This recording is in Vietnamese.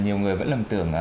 nhiều người vẫn lầm tưởng